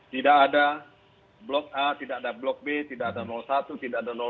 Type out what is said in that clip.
tidak ada blok a tidak ada blok b tidak ada satu tidak ada dua